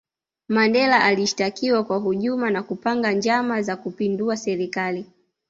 mandela alishitakiwa kwa hujuma na kupanga njama za kupindua serikali